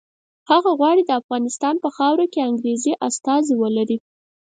هغه غواړي د افغانستان په خاوره کې انګریزي استازي ولري.